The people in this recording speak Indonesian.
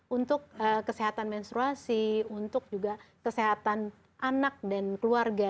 untuk kesehatan menstruasi untuk juga kesehatan anak dan keluarga